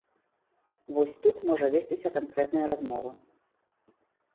Вось тут можа весціся канкрэтная размова.